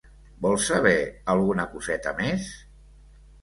Vol saber alguna coseta més?